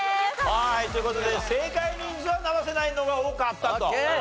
はいという事で正解人数は生瀬ナインの方が多かったと。